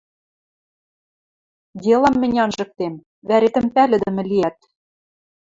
— Делам мӹнь анжыктем, вӓретӹм пӓлӹдӹмӹ лиӓт!